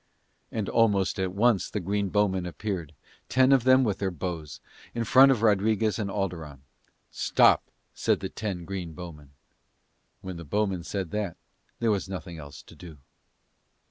And almost at once the green bowmen appeared, ten of them with their bows, in front of Rodriguez and Alderon. "Stop," said the ten green bowmen. When the bowmen said that, there was nothing else to do.